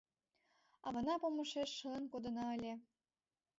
Авана помышеш шылын кодына ыле;